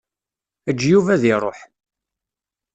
Eǧǧ Yuba ad iṛuḥ.